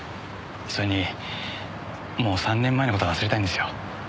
それにもう３年前の事は忘れたいんですよ。